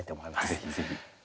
ぜひぜひ。